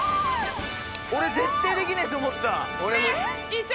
俺絶対できないと思ってた。